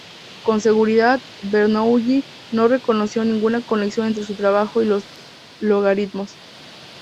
Con seguridad, Bernoulli no reconoció ninguna conexión entre su trabajo y los logaritmos.